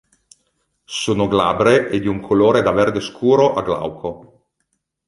Sono glabre e di un colore da verde scuro a glauco.